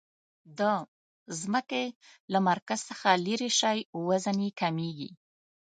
د ځمکې له مرکز څخه لیرې شئ وزن یي کمیږي.